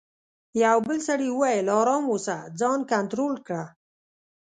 یوه بل سړي وویل: آرام اوسه، ځان کنټرول کړه.